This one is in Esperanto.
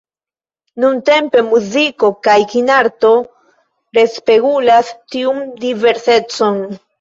Nuntempe muziko kaj kinarto respegulas tiun diversecon.